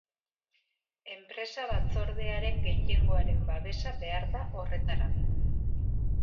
Enpresa batzordearen gehiengoaren babesa behar da horretarako.